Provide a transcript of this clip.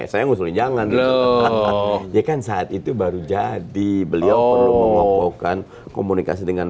saya ngusulin jangan gitu ya kan saat itu baru jadi beliau perlu mengokohkan komunikasi dengan